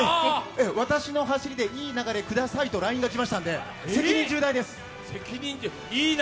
私の走りでいい流れくださいとＬＩＮＥが来ましたので責任重大です！